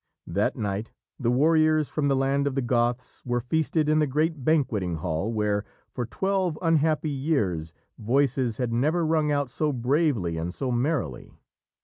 That night the warriors from the land of the Goths were feasted in the great banqueting hall where, for twelve unhappy years, voices had never rung out so bravely and so merrily.